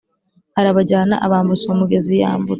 Arabajyana abambutsa uwo mugezi yambutsa